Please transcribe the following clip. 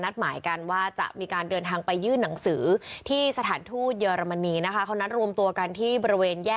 ต้องใช้เส้นทางเนาะ